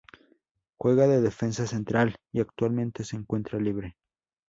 Juega de defensa central y actualmente se encuentra libre.